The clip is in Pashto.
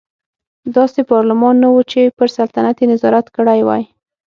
داسې پارلمان نه و چې پر سلطنت یې نظارت کړی وای.